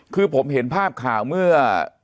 คือผมเห็นภาพข่าวเมื่อ